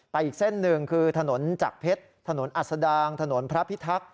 อีกเส้นหนึ่งคือถนนจากเพชรถนนอัศดางถนนพระพิทักษ์